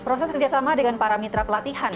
proses kerjasama dengan para mitra pelatihan